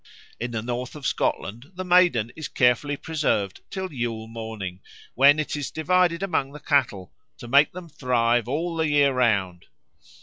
In the north of Scotland the Maiden is carefully preserved till Yule morning, when it is divided among the cattle "to make them thrive all the year round."